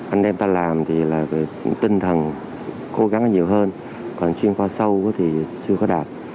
anh em ta làm thì là về tinh thần cố gắng nhiều hơn còn chuyên khoa sâu thì chưa có đạt